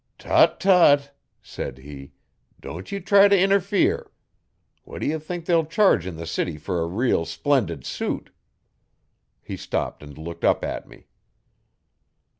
'Tut, tut!' said he, 'don't ye try t' interfere. What d' ye think they'll charge in the city fer a reel, splendid suit?' He stopped and looked up at me.